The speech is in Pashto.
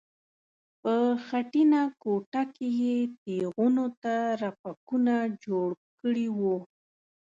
په خټینه کوټه کې یې تیغونو ته رپکونه جوړ کړي وو.